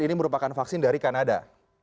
ini merupakan vaksin dari kanada